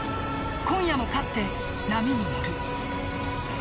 今夜も勝って、波に乗る。